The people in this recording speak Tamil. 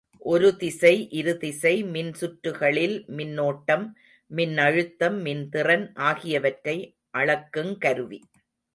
ஒரு திசை, இரு திசை மின்சுற்றுகளில் மின்னோட்டம், மின்னழுத்தம், மின்திறன் ஆகியவற்றை அளக்குங் கருவி.